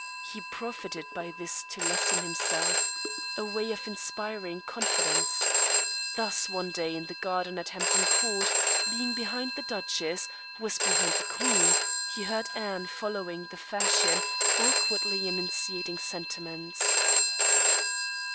He profited by this to lessen himself a way of inspiring confidence. Thus one day in the garden at Hampton Court, being behind the duchess, who was behind the queen, he heard Anne, following the fashion, awkwardly enunciating sentiments.